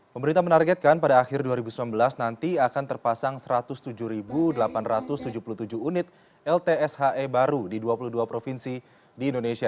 pemerintah menargetkan pada akhir dua ribu sembilan belas nanti akan terpasang satu ratus tujuh delapan ratus tujuh puluh tujuh unit ltshe baru di dua puluh dua provinsi di indonesia